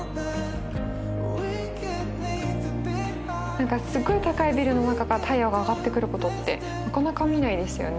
何かすごい高いビルの中から太陽が上がってくることってなかなか見ないですよね。